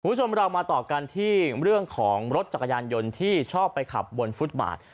คุณผู้ชมเรามาต่อกันที่เรื่องของรถจักรยานยนต์ที่ชอบไปขับบนฟุตบาท